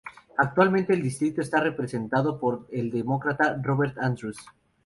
Actualmente el distrito está representado por el Demócrata Robert Andrews.